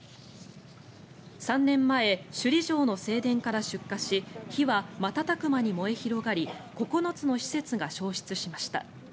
３年前、首里城の正殿から出火し火は瞬く間に燃え広がり９つの施設が焼失しました。